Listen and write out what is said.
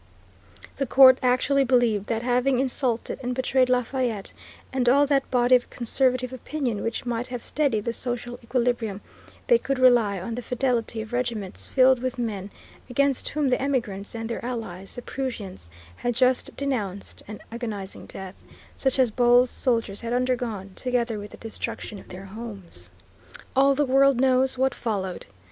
The court actually believed that, having insulted and betrayed Lafayette and all that body of conservative opinion which might have steadied the social equilibrium, they could rely on the fidelity of regiments filled with men against whom the emigrants and their allies, the Prussians, had just denounced an agonizing death, such as Bouillé's soldiers had undergone, together with the destruction of their homes. All the world knows what followed.